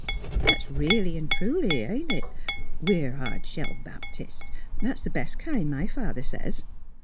" That's really an' truly, isn't it? "We're hard shell Baptists. That's the best kind, my father says."